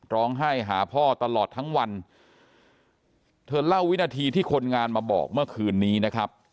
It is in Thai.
ร้องไห้หาพ่อตลอดทั้งวันเธอเล่าวินาทีที่คนงานมาบอกเมื่อคืนนี้นะครับ